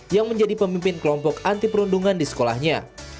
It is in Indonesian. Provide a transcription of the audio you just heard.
yang menjadi pemimpin kelompok anti perundungan di sekolahnya